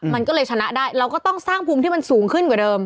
มันก็เลยชนะได้เราก็ต้องสร้างภูมิที่มันสูงขึ้นกว่าเดิม